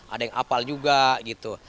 ada yang afal juga gitu